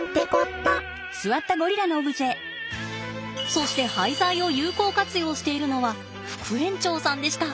そして廃材を有効活用しているのは副園長さんでした。